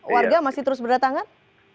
warga masih terus berdatangan